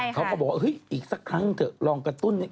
เค้าบอกว่าอีกสักครั้งเถอะลองกระตุ้นให้